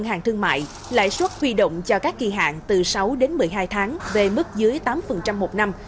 ngân hàng thương mại lãi suất huy động cho các kỳ hạn từ sáu đến một mươi hai tháng về mức dưới tám một năm